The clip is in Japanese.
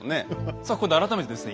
さあここで改めてですね